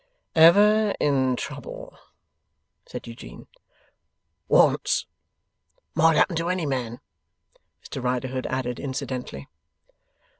'Ever in trouble?' said Eugene. 'Once.' (Might happen to any man, Mr Riderhood added incidentally.)